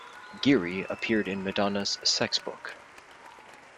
Geary appeared in Madonna's "Sex" book.